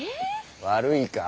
⁉悪いか？